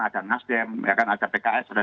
ada nasdem ya kan ada pks ada